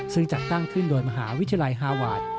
ซึ่งจัดตั้งขึ้นโดยมหาวิทยาลัยฮาวาส